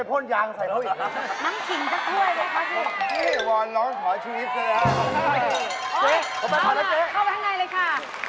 เข้าไปข้างในเลยค่ะ